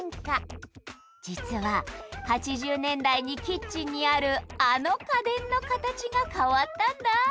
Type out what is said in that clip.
実は８０年代にキッチンにある「あの家電のカタチ」が変わったんだ。